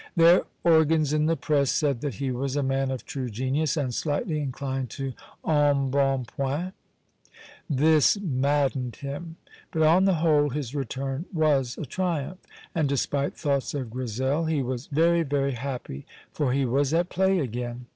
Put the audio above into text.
Their organs in the press said that he was a man of true genius, and slightly inclined to embonpoint. This maddened him, but on the whole his return was a triumph, and despite thoughts of Grizel he was very, very happy, for he was at play again.